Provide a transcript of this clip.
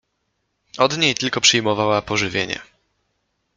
Od niej tylko przyjmowała pożywienie.